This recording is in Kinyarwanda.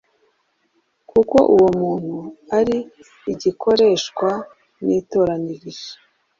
kuko uwo muntu ari igikoreshwa nitoranirije,